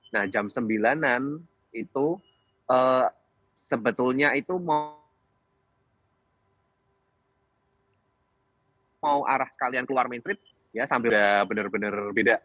nah jam sembilanan itu sebetulnya itu mau arah sekalian keluar main street ya sambil udah bener bener beda